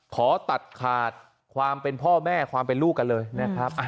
ขอตัดขาดความเป็นพ่อแม่ความเป็นลูกกันเลยนะครับ